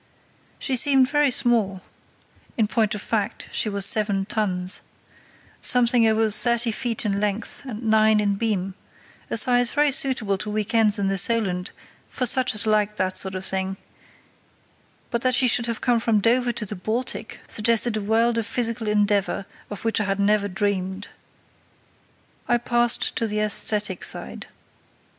She seemed very small (in point of fact she was seven tons), something over thirty feet in length and nine in beam, a size very suitable to week ends in the Solent, for such as liked that sort of thing; but that she should have come from Dover to the Baltic suggested a world of physical endeavour of which I had never dreamed. I passed to the æsthetic side.